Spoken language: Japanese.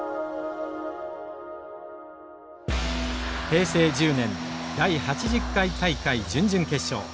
平成１０年第８０回大会準々決勝。